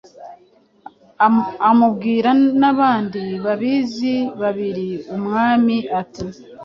Amubwira n’abandi basizi babiri. Umwami ati "